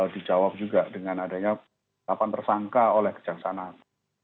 dijawab juga dengan adanya delapan tersangka oleh kejaksaan agung